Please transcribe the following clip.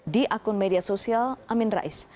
di akun media sosial amin rais